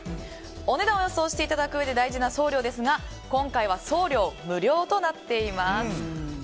お値段を予想していただくうえで大事な送料ですが今回は送料無料となっています。